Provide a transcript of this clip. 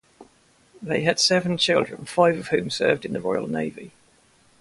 They had seven children, five of whom served in the Royal Navy.